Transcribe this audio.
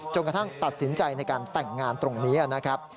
กระทั่งตัดสินใจในการแต่งงานตรงนี้นะครับ